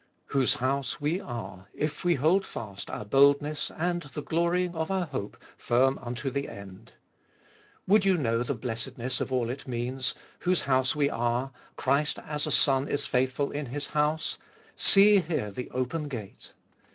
Whose house we are, if we hold fast our boldness and the glorying of our hope firm unto the end. Would you know the blessedness of all it means, Whose house we are, Christ as a Son is faithful in His house, see here the open gate.